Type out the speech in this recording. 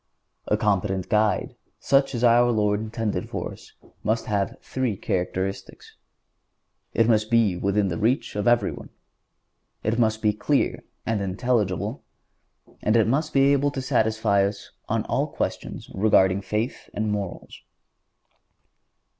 A competent guide, such as our Lord intended for us, must have three characteristics. It must be within the reach of everyone; it must be clear and intelligible; it must be able to satisfy us on all questions relating to faith and morals.